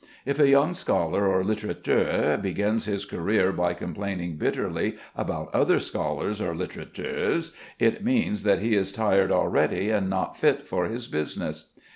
If a young scholar or litterateur begins his career by complaining bitterly about other scholars or littérateurs, it means that he is tired already and not fit for his business.